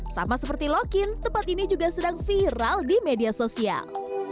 sama seperti lokin tempat ini juga sedang viral di media sosial